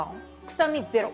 臭みゼロ。